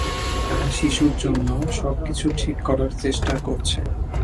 তারা শিশুর জন্য সবকিছু ঠিক করার চেষ্টা করছে।